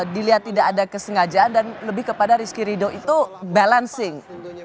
dilihat tidak ada kesengajaan dan lebih kepada rizky ridho itu balancing